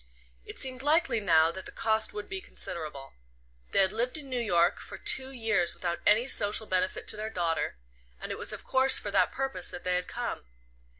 It seemed likely now that the cost would be considerable. They had lived in New York for two years without any social benefit to their daughter; and it was of course for that purpose that they had come.